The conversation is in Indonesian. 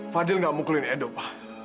fadil gak mukulin edo pak